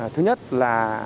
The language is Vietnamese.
thứ nhất là